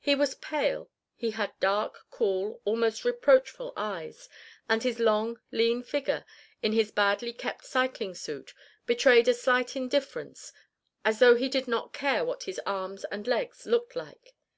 He was pale; he had dark, cool, almost reproachful eyes; and his long, lean figure, in his badly kept cycling suit, betrayed a slight indifference, as though he did not care what his arms and legs looked like.